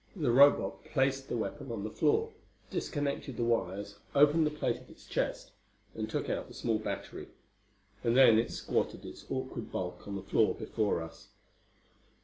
The Robot placed the weapon on the floor, disconnected the wires, opened the plate of its chest and took out the small battery. And then it squatted its awkward bulk on the floor before us.